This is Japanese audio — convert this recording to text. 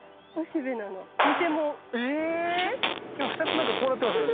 でも２つなんかこうなってますよね。